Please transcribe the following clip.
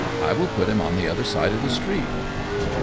I will put him on the other side of the street."